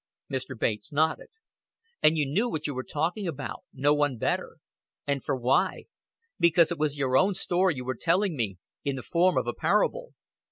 Mr. Bates nodded. "And you knew what you were talking about no one better. And for why? Because it was your own story you were telling me, in the form of a parable."